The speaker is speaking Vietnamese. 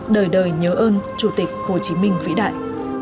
đời đời nhớ ơn chủ tịch hồ chí minh vĩ đại